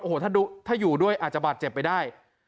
โอ้โหถ้าอยู่ด้วยอาจจะบาดเจ็บไปได้